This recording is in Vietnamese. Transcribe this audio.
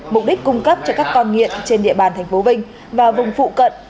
mục đích cung cấp cho các con nghiện trên địa bàn thành phố vinh và vùng phụ cận